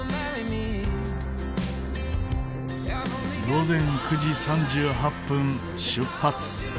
午前９時３８分出発。